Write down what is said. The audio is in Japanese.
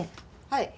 はい。